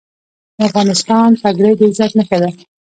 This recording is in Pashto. د افغانستان پګړۍ د عزت نښه ده